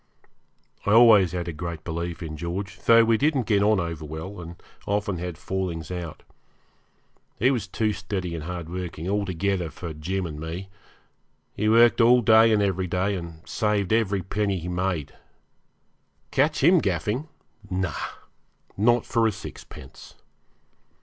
I always had a great belief in George, though we didn't get on over well, and often had fallings out. He was too steady and hardworking altogether for Jim and me. He worked all day and every day, and saved every penny he made. Catch him gaffing! no, not for a sixpence.